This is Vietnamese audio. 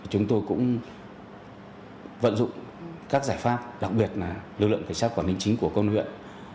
chúng tôi cũng vận dụng các giải pháp đặc biệt là lực lượng cảnh sát quản lý chính của công huyện